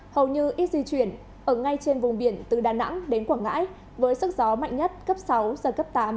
hầu như ít di chuyển ở ngay trên vùng biển từ đà nẵng đến quảng ngãi với sức gió mạnh nhất cấp sáu giật cấp tám